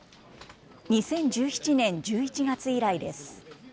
２０１７年１１月以来です。